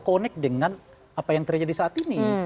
connect dengan apa yang terjadi saat ini